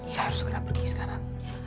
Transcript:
saya harus segera pergi sekarang